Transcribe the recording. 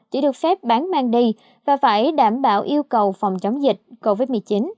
chỉ được phép bán mang đi và phải đảm bảo yêu cầu phòng chống dịch covid một mươi chín